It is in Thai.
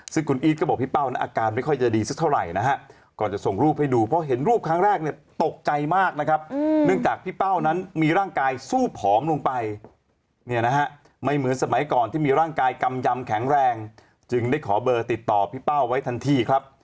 ซึ่งคุณอีทก็บอกว่าพี่เป้าน่าการไม่ค่อยจะดีซักเท่าไหร่นะฮะ